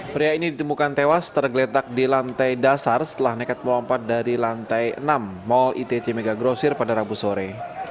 pria ini ditemukan tewas tergeletak di lantai dasar setelah nekat melompat dari lantai enam mall itc mega grosir pada rabu sore